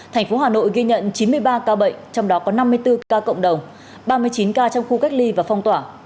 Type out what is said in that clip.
thành phố hà nội ghi nhận chín mươi ba ca bệnh trong đó có năm mươi bốn ca cộng đồng ba mươi chín ca trong khu cách ly và phong tỏa